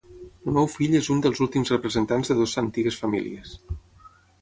El meu fill és un dels últims representants de dues antigues famílies.